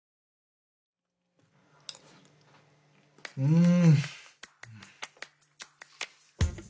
うん。